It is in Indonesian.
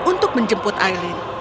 untuk menjemput aileen